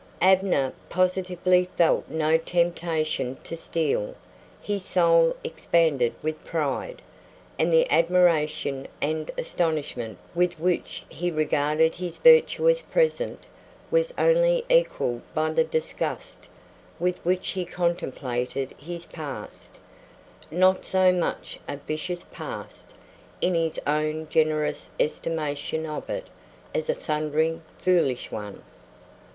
Abner positively felt no temptation to steal; his soul expanded with pride, and the admiration and astonishment with which he regarded his virtuous present was only equaled by the disgust with which he contemplated his past; not so much a vicious past, in his own generous estimation of it, as a "thunderin' foolish" one.